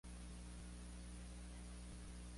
Falleció en el ejercicio de sus funciones.